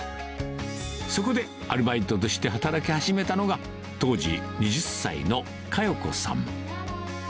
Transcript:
そこでアルバイトとして働き始めたのが、当時２０歳の香代子さん。